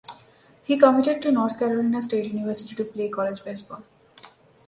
He committed to North Carolina State University to play college baseball.